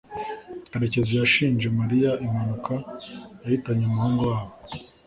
karekezi yashinje mariya impanuka yahitanye umuhungu wabo